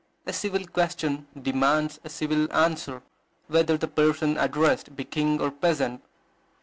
A civil question demands a civil answer, whether the person addressed be king or peasant.